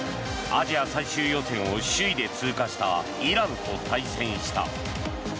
アジア最終予選を首位で通過したイランと対戦した。